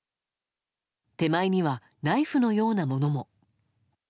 手前にはナイフのようなものも。